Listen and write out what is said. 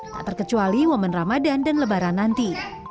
tak terkecuali momen ramadan dan lebaran nanti